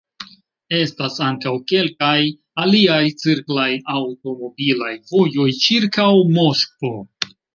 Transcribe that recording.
Estas ankaŭ kelkaj aliaj cirklaj aŭtomobilaj vojoj ĉirkaŭ Moskvo.